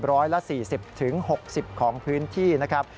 ร้อยละ๔๐๖๐ของพื้นที่นะครับ